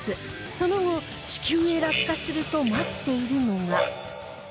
その後地球へ落下すると待っているのが